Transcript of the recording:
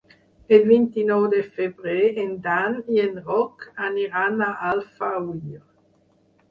El vint-i-nou de febrer en Dan i en Roc aniran a Alfauir.